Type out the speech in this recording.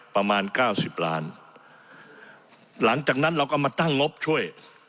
ประมาณเก้าสิบล้านหลังจากนั้นเราก็มาตั้งงบช่วย